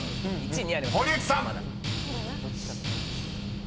［堀内さん］